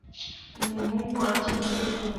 Umuhungu akina umupira